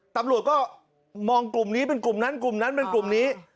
ตำรวจก็มองกลุ่มนี้เป็นกลุ่มนั้นกลุ่มนั้นเป็นกลุ่มนี้